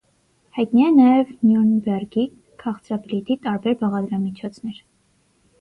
Հայտնի է նաև նյուրնբերգի քաղցրաբլիթի տարբեր բաղադրամիջոցներ։